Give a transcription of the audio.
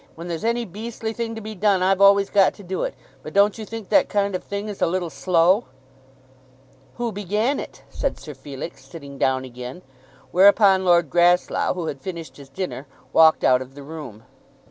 "When there's any beastly thing to be done, I've always got to do it. But don't you think that kind of thing is a little slow?" "Who began it?" said Sir Felix, sitting down again. Whereupon Lord Grasslough, who had finished his dinner, walked out of the room.